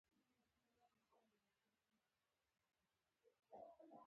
شبانه پولیس افیسره ډېر ظلم کوي.